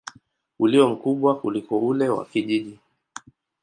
ulio mkubwa kuliko ule wa kijiji.